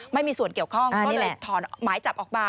ไม่มีส่วนเกี่ยวข้องก็เลยถอนหมายจับออกมา